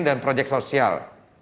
dan projek sosial